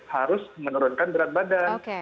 harus menurunkan berat badan